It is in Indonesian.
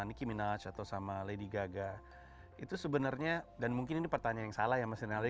nicky minaj atau sama lady gaga itu sebenarnya dan mungkin ini pertanyaan yang salah ya mas rinaldi